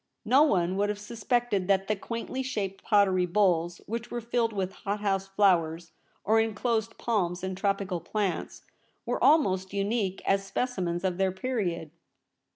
No one would have suspected that the quaintly shaped pottery bowls, which were filled with hothouse flowers, or enclosed palms and tropical plants, were almost unique as specimens of their period.